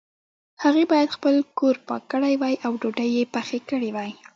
هغې باید خپل کور پاک کړی وای او ډوډۍ یې پخې کړي وای